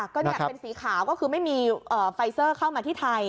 ก็เป็นสีขาวก็คือไม่มีไฟเซอร์เข้ามาที่ไทย